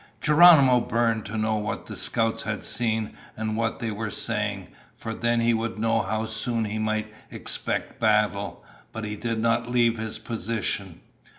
Geronimo burned to know what the scouts had seen and what they were saying, for then he would know how soon he might expect battle. But he did not leave his position.